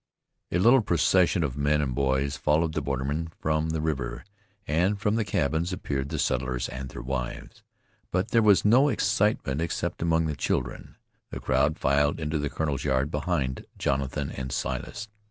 A little procession of men and boys followed the borderman from the river, and from the cabins appeared the settlers and their wives. But there was no excitement except among the children. The crowd filed into the colonel's yard behind Jonathan and Silas.